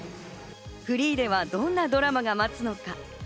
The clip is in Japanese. フリーではどんなドラマが待つのか？